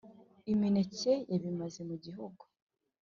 Imineke bayimaze mu gihugu